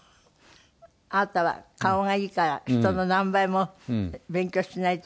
「あなたは顔がいいから人の何倍も勉強しないとダメよ」って。